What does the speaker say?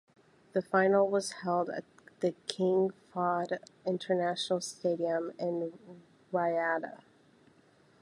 The final was held at the King Fahd International Stadium in Riyadh.